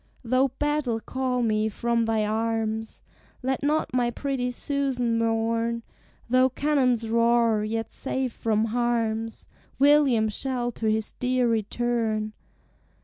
"Though battle call me from thy arms, Let not my pretty Susan mourn; Though cannons roar, yet safe from harms William shall to his dear return.